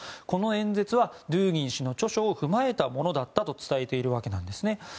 この演説はドゥーギン氏の著書を踏まえたものだったと伝えているわけなんですね。